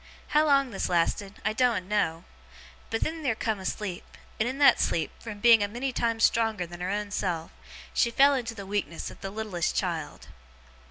How long this lasted, I doen't know; but then theer come a sleep; and in that sleep, from being a many times stronger than her own self, she fell into the weakness of the littlest child.